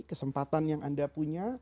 kesempatan yang anda punya